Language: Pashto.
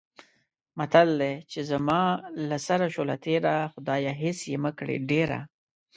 متل دی: چې زما له سره شوله تېره، خدایه هېڅ یې مه کړې ډېره.